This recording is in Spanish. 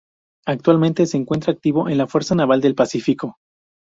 Actualmente se encuentra activo en la Fuerza Naval del Pacífico.